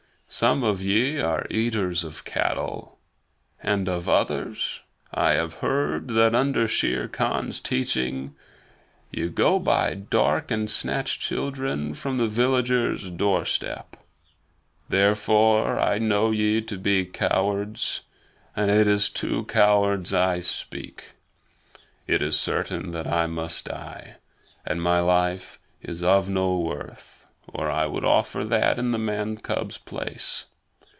Some of ye are eaters of cattle, and of others I have heard that, under Shere Khan's teaching, ye go by dark night and snatch children from the villager's doorstep. Therefore I know ye to be cowards, and it is to cowards I speak. It is certain that I must die, and my life is of no worth, or I would offer that in the man cub's place.